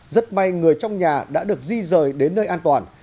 rất may người trong nhà đã được di rời đến nơi an toàn